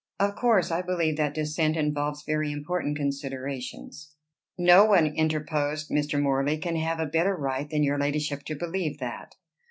"Of course I believe that descent involves very important considerations." "No one," interposed Mr. Morley, "can have a better right than your ladyship to believe that."